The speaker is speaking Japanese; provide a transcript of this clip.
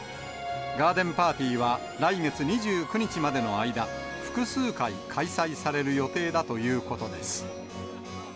ガーデンパーティーは来月２９日までの間、複数回、開催される予定だということです。